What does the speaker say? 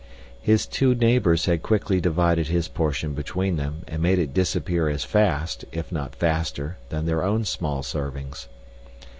His two neighbors had quickly divided his portion between them and made it disappear as fast, if not faster, than their own small servings.